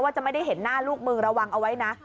จะไม่ได้เห็นหน้าลูกมึงระวังเอาไว้นะ